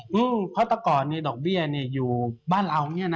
เมื่อก่อนดอกเบี้ย่อยู่บ้านอ่าวเนี่ยนะฮะ